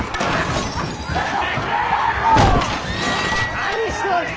何しておる！